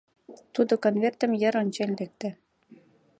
Тудо конвертым йыр ончен лекте.